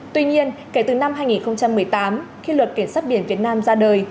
tuy nhiên kể từ năm hai nghìn một mươi tám khi luật cảnh sát biển việt nam ra đời